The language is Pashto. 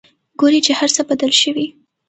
ګوري چې هرڅه بدل شوي.